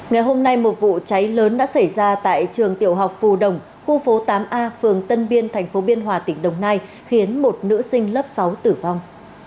ngày hôm nay một vụ cháy lớn đã xảy ra tại trường tiểu học phù đồng khu phố tám a phường tân biên tp biên hòa tỉnh đồng nai khiến một nữ sinh lớp sáu tử vong